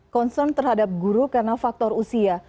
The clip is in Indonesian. concern terhadap guru karena faktor usia